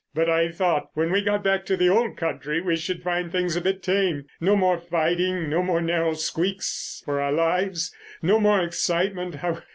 "But I thought when we got back to the old country we should find things a bit tame—no more fighting, no more narrow squeaks for our lives, no more excitement.